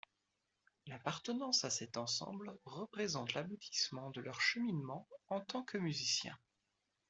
L’appartenance à cet ensemble représente l’aboutissement de leur cheminement en tant que musicien.